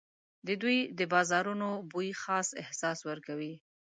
د دوی د بازارونو بوی خاص احساس ورکوي.